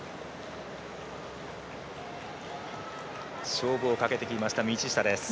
勝負をかけてきました道下です。